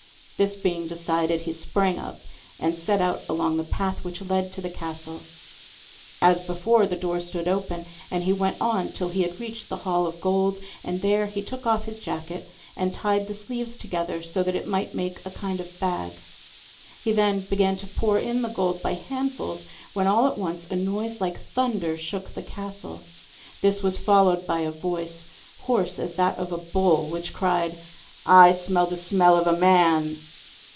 This being decided, he sprang up, and set out along the path which led to the castle. As before, the door stood open, and he went on till he had reached the hall of gold, and there he took off his jacket and tied the sleeves together so that it might make a kind of bag. He then began to pour in the gold by handfuls, when, all at once, a noise like thunder shook the castle. This was followed by a voice, hoarse as that of a bull, which cried: 'I smell the smell of a man.